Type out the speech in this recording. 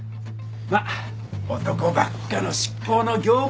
まあ男ばっかの執行の業界よりはな。